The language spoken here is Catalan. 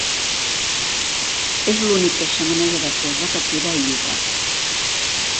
És l'única xemeneia de fosa que queda a Utah.